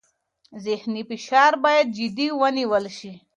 ذهني فشار باید جدي ونیول شي.